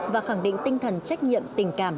và khẳng định tinh thần trách nhiệm tình cảm